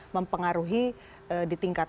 mempengaruhi di tingkat